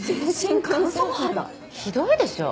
ひどいでしょ？